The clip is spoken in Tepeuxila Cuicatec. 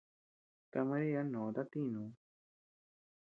Ta María nòta tinuu.